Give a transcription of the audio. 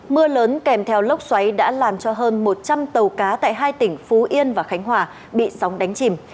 mưa lớn kèm theo lốc xoáy đã làm cho hơn một trăm linh tàu cá tại hai tỉnh phú yên và khánh hòa bị sóng đánh chìm